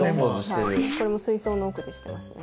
これも水槽の奥でしてますね。